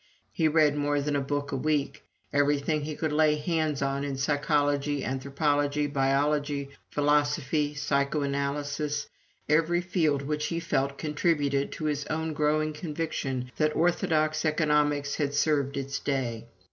He read more than a book a week: everything he could lay hands on in psychology, anthropology, biology, philosophy, psycho analysis every field which he felt contributed to his own growing conviction that orthodox economics had served its day.